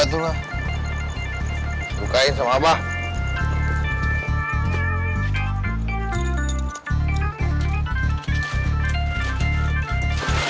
saya tuh masuk bukain neng ga bo ven allies